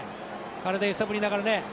あれで揺さぶりながらね。